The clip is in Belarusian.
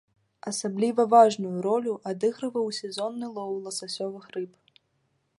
Асабліва важную ролю адыгрываў сезонны лоў ласасёвых рыб.